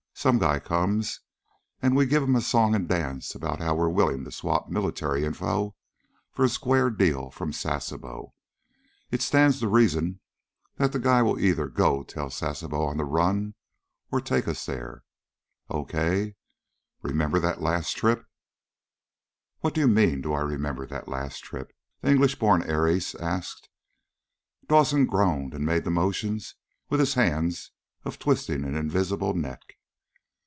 Some guy comes, and we give him a song and dance about how we're willing to swap military info for a square deal from Sasebo. It stands to reason that the guy will either go tell Sasebo on the run, or take us there. Okay. Remember that last trip?" "What do you mean, do I remember that last trip?" the English born air ace asked. Dawson groaned and made the motions with his hands of twisting an invisible neck.